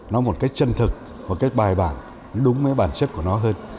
nó một cách chân thực một cách bài bản đúng với bản chất của nó hơn